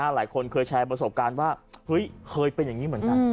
หลายคนเคยแชร์ประสบการณ์ว่าเฮ้ยเคยเป็นอย่างนี้เหมือนกัน